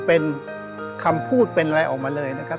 เป็นคำพูดเป็นอะไรออกมาเลยนะครับ